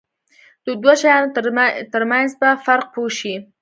د دوو شیانو ترمنځ په فرق پوه شي.